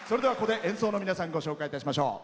演奏の皆さんをご紹介いたしましょう。